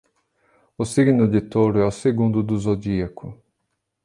O signo de touro é o segundo do zodíaco